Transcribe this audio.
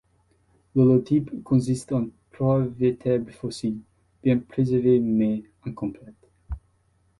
L'holotype consiste en trois vertèbres fossiles, bien préservées mais incomplètes.